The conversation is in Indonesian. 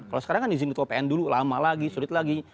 kalau sekarang kan izin ketua pn dulu lama lagi sulit lagi